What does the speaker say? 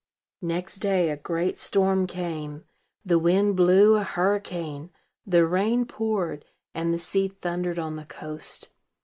Next day, a great storm came: the wind blew a hurricane, the rain poured, and the sea thundered on the coast.